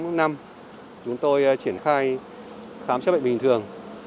để khám chữa bệnh bình thường